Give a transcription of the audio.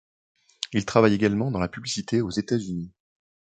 Il travaille également dans la publicité aux États-Unis.